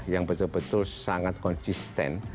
yang betul betul sangat konsisten